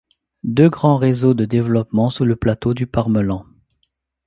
Deux grands réseaux se développent sous le plateau du Parmelan.